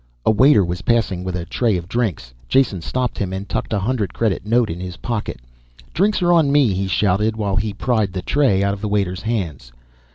A waiter was passing with a tray of drinks. Jason stopped him and tucked a hundred credit note in his pocket. "Drinks are on me," he shouted while he pried the tray out of the waiter's hands.